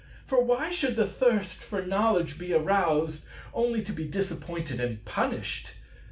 For why should the thirst for knowledge be aroused, only to be disappointed and punished?